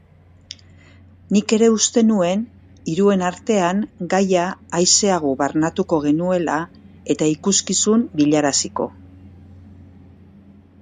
Nik ere uste nuen hiruen artean gaia aiseago barnatuko genuela eta ikuskizun bilakaraziko.